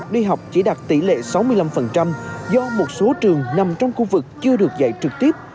đi học chỉ đạt tỷ lệ sáu mươi năm do một số trường nằm trong khu vực chưa được dạy trực tiếp